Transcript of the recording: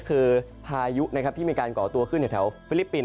คือพายุที่มีการก่อตัวก็ขึ้นแถวแถวฟิลิปปินส์